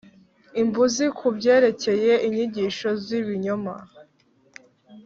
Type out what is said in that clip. Imbuzi ku byerekeye inyigisho z’ibinyoma